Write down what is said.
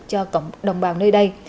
cho cộng đồng bào nơi đây